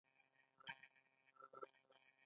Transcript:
زده کړو سابقې توپیر شته.